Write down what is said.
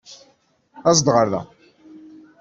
Aẓ-d ɣer da!